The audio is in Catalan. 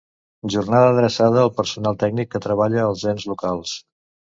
Jornada adreçada al personal tècnic que treballa als ens locals.